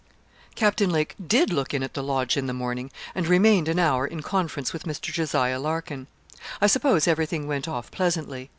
Captain Lake did look in at the Lodge in the morning, and remained an hour in conference with Mr. Jos. Larkin. I suppose everything went off pleasantly.